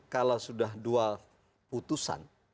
kalau sudah dua putusan